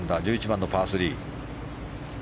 １１番のパー３。